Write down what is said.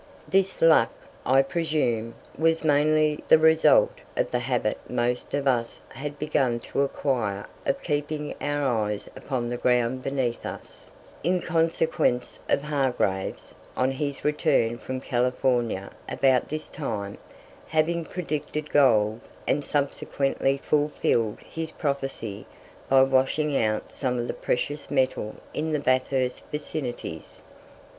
This luck, I presume, was mainly the result of the habit most of us had begun to acquire of keeping our eyes upon the ground beneath us, in consequence of Hargreaves, on his return from California about this time, having predicted gold, and subsequently fulfilled his prophecy by washing out some of the precious metal in the Bathurst vicinities.